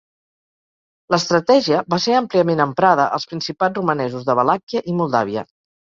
L'estratègia va ser àmpliament emprada als principats romanesos de Valàquia i Moldàvia.